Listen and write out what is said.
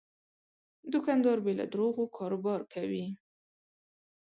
دوکاندار بې له دروغو کاروبار کوي.